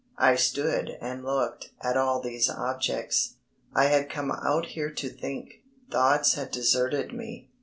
I stood and looked at all these objects. I had come out here to think thoughts had deserted me.